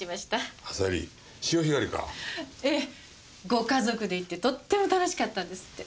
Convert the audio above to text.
ご家族で行ってとっても楽しかったんですって。